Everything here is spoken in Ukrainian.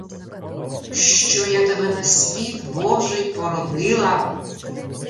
Що я тебе на світ божий породила!